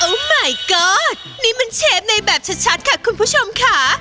หมายก๊อตนี่มันเชฟในแบบชัดค่ะคุณผู้ชมค่ะ